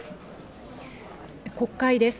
国会です。